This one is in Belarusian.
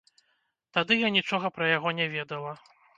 Тады я нічога пра яго не ведала.